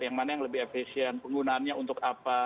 yang mana yang lebih efisien penggunaannya untuk apa